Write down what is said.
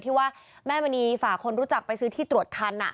ที่ว่าแม่มณีฝากคนรู้จักไปซื้อที่ตรวจคัน